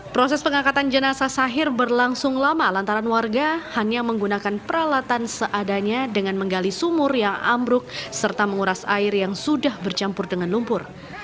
proses pengangkatan jenazah sahir berlangsung lama lantaran warga hanya menggunakan peralatan seadanya dengan menggali sumur yang ambruk serta menguras air yang sudah bercampur dengan lumpur